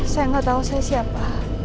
saya gak tau saya siapa